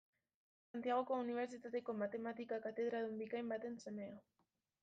Santiagoko Unibertsitateko matematika-katedradun bikain baten semea.